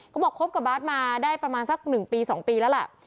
เขาบอกครบกับบ๊าสมาได้ประมาณสักสิ่ง๑๒ปีแล้วแหละ